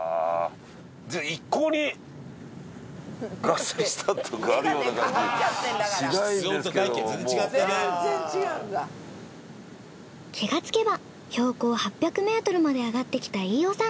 一向に気がつけば標高８００メートルまで上がってきた飯尾さん。